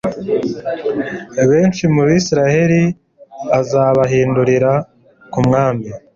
benshi mu bisirayeli azabahindurira ku mwami